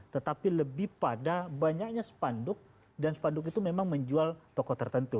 tetapi lebih pada banyaknya spanduk dan spanduk itu memang menjual toko tertentu